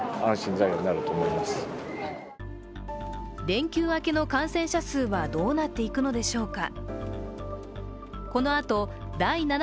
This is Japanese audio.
連休明けの感染者数は、どうなっていくのでしょうか。